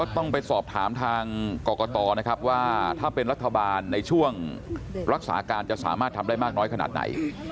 ต้องไปสอบถามทางกรกตนะครับว่าถ้าเป็นรัฐบาลในช่วงรักษาการจะสามารถทำได้มากน้อยขนาดไหน